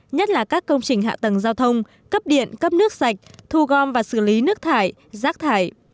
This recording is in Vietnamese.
nhất là các công trình hạ tầng giao thông cấp điện cấp nước sạch thu gom và xử lý nước thải rác thải